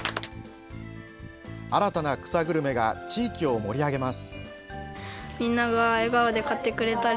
新たな草グルメが地域を盛り上げます。